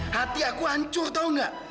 hati aku hancur tau gak